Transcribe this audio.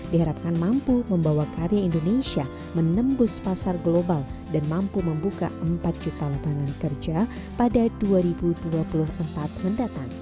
diharapkan mampu membawa karya indonesia menembus pasar global dan mampu membuka empat juta lapangan kerja pada dua ribu dua puluh empat mendatang